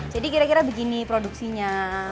jadi kira kira begini produksinya